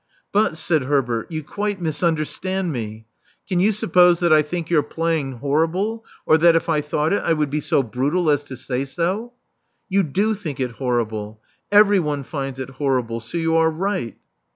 "But,*' said Herbert, "you quite misunderstand me. Can you suppose that I think your playing horrible, or that, if I thought it, I would be so brutal as to say so?" "You do think it horrible. Everyone finds it horrible. So you are right.